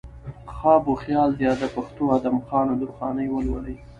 خواب وخيال يا د پښتو ادم خان و درخانۍ ولولئ